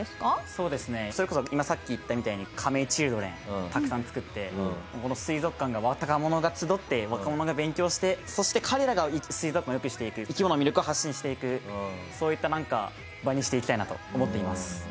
そうですねそれこそ今さっき言ったみたいにカメイチルドレンたくさん作ってこの水族館が若者が集って若者が勉強してそして彼らが水族館を良くしていく生き物の魅力を発信していくそういった場にしていきたいなと思っています。